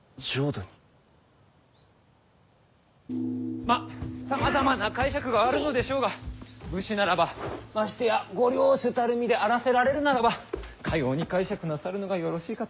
まっさまざまな解釈があるのでしょうが武士ならばましてやご領主たる身であらせられるならばかように解釈なさるのがよろしいかと。